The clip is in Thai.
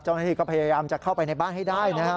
เจ้าหน้าที่ก็พยายามจะเข้าไปในบ้านให้ได้นะครับ